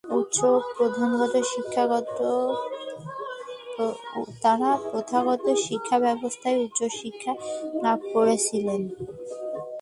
তারা প্রথাগত শিক্ষাব্যবস্থায় উচ্চশিক্ষা লাভ করেছিলেন।